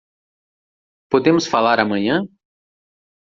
Podemos falar amanhã?